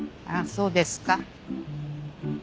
そうですか。